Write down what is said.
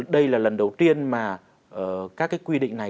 đây là lần đầu tiên mà các cái quy định này